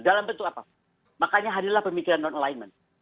dalam bentuk apa makanya hadirlah pemikiran non alignment